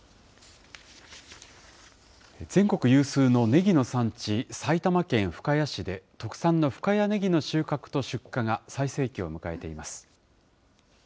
全国有数のねぎの産地、埼玉県深谷市で、特産の深谷ねぎの収穫と出荷が最盛期を迎えています。